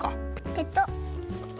ペトッ。